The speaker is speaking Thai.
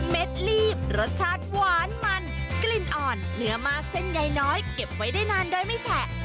ลีบรสชาติหวานมันกลิ่นอ่อนเนื้อมากเส้นใยน้อยเก็บไว้ได้นานโดยไม่แฉะ